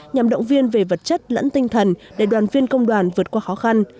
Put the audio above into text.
nhằm động viên về vật chất lẫn tinh thần để đoàn viên công đoàn vượt qua khó khăn